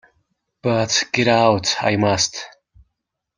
But get out I must.